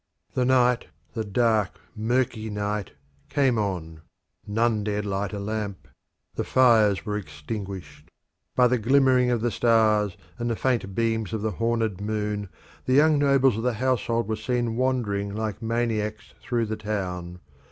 The night, the dark, murky night, came on. None dared light a lamp; the fires were extinguished. By the glimmering of the stars and the faint beams of the horned moon, the young nobles of the household were seen wandering like maniacs through the town.